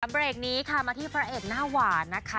เบรกนี้ค่ะมาที่พระเอกหน้าหวานนะคะ